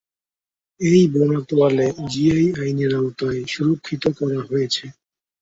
এই বোনা তোয়ালে জিআই আইনের আওতায় সুরক্ষিত করা হয়েছে।